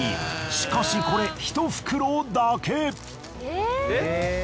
しかしこれ１袋だけ。